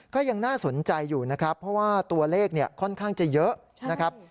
ก็ยังน่าสนใจอยู่นะครับเพราะว่าตัวเลขเนี่ยค่อนข้างจะเยอะนะครับ